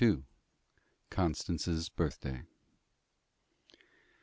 CONSTANCE'S BIRTHDAY.